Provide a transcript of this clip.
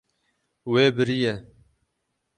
Wê biriye.